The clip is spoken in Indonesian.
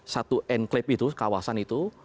satu enclap itu kawasan itu